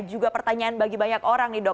juga pertanyaan bagi banyak orang nih dok